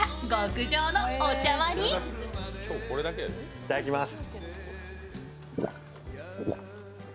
いただきます。